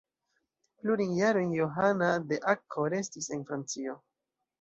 Plurajn jarojn Johana de Akko restis en Francio.